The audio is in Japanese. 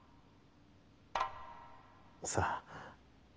さあ？